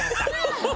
ハハハハ！